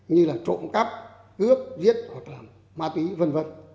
như là trộm cắp cướp giết hoặc là ma túy v v